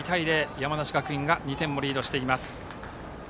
山梨学院が２点をリードしています。